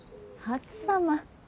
初様。